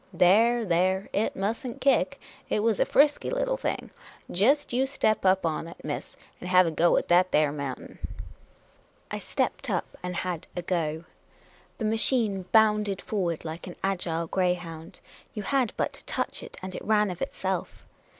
" There, there, it must n't kick ; it was a frisky little thing ! Jest you step up on it, miss, and have a go at that there mountain." 76 Miss Cayley's Adventures I stepped up and had a " go." The machine bounded forward like an agile greyhound. You had but to touch it, and it ran of itself.